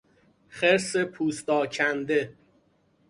خرس پوست آکنده